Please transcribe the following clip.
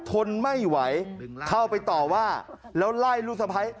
ทนไม่ไหวเข้าไปต่อว่าแล้วไล่ลูกสะพ้าย